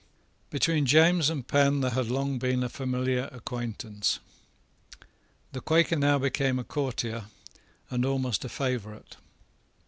Between James and Penn there had long been a familiar acquaintance. The Quaker now became a courtier, and almost a favourite.